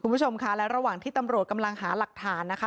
คุณผู้ชมค่ะและระหว่างที่ตำรวจกำลังหาหลักฐานนะคะ